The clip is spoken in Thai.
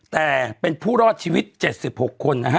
แต่เป็นผู้รอดชีวิตเจ็ดสิบหกคนนะฮะ